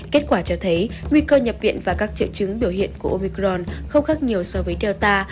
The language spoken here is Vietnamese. kết quả cho thấy nguy cơ nhập viện và các triệu chứng biểu hiện của opicron không khác nhiều so với delta